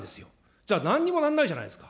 じゃあなんにもなんないじゃないですか。